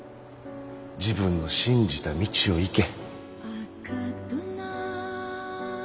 自分の信じた道を行け。